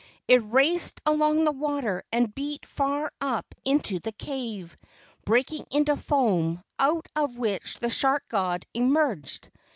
It raced along the water and beat far up into the cave, breaking into foam, out of which the shark god emerged.